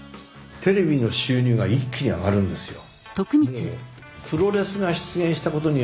テレビの収入が一気に上がるんですよ。